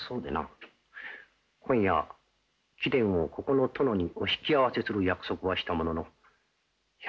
今夜は貴殿をここの殿にお引き合わせする約束はしたもののいや